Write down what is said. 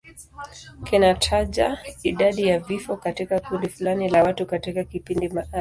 Kinataja idadi ya vifo katika kundi fulani la watu katika kipindi maalum.